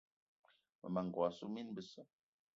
Mmema n'gogué assu mine besse.